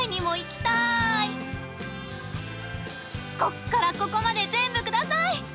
こっからここまで全部下さい！